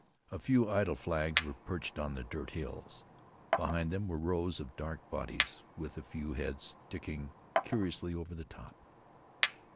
A few idle flags were perched on the dirt hills. Behind them were rows of dark bodies with a few heads sticking curiously over the top.